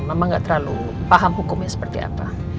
mama gak terlalu paham hukumnya seperti apa